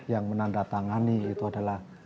yang menandatangani itu adalah